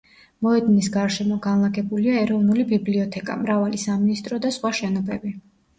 მოედნის გარშემო განლაგებულია ეროვნული ბიბლიოთეკა, მრავალი სამინისტრო და სხვა შენობები.